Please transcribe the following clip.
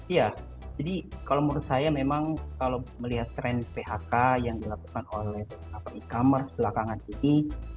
iya jadi kalau menurut saya memang kalau melihat tren phk yang dilakukan oleh e commerce belakangan ini